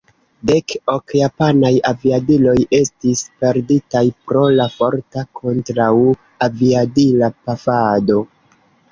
Dek ok japanaj aviadiloj estis perditaj pro la forta kontraŭ-aviadila pafado.